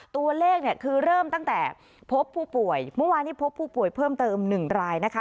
ตัวเลขเนี่ยคือเริ่มตั้งแต่พบผู้ป่วยเมื่อวานนี้พบผู้ป่วยเพิ่มเติม๑รายนะคะ